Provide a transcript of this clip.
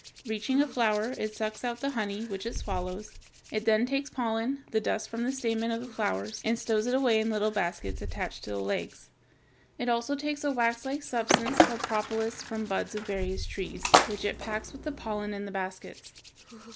Reaching a flower it sucks out the honey, which it swallows. It then takes pollen, the dust from the stamen of the flowers, and stows it away in little baskets attached to the legs. It also takes a waxlike substance called propolis from buds of various trees, which it packs with the pollen in the baskets.